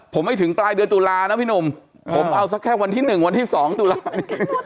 ผมไม่ถึงปลายเดือนตุลานะพี่หนุ่มผมเอาสักแค่วันที่๑วันที่๒ตุลา